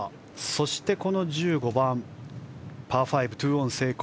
そしてこの１５番、パー５で２オン成功。